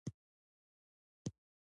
يو نوموړی سړی شاه محمد اوسېدلو